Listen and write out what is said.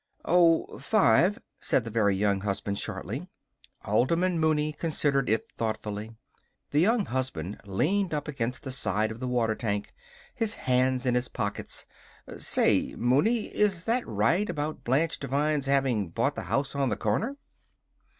"Oh five," said the Very Young Husband shortly. Alderman Mooney considered it thoughtfully. The Young Husband leaned up against the side of the water tank, his hands in his pockets. "Say, Mooney, is that right about Blanche Devine's having bought the house on the corner?"